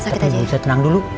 kita tenang dulu